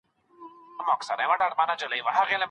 د اولادونو روحي تربيت چاته اړتيا لري؟